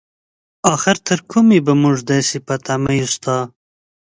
اخر تر کومې به مونږ داسې په تمه يو ستا؟